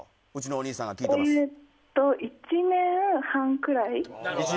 １年半ぐらい。